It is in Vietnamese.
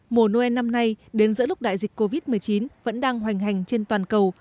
mùa noel năm nay đến giữa lúc đại dịch covid một mươi chín vẫn đang hoành hành trên toàn cầu